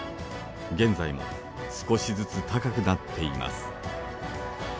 現在も少しずつ高くなっています。